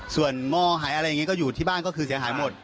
ส่วนงอหายอะไรอย่างนี้ก็อยู่ที่บ้านก็คือเสียหายหมด